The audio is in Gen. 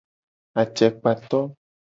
Acekpato.